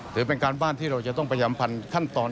ถือเป็นการบ้านที่เราจะต้องพยายามพันขั้นตอน